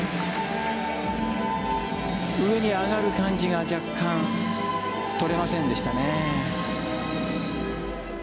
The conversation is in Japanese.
上に上がる感じが若干、取れませんでしたね。